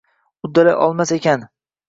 Uddalay olmas ekan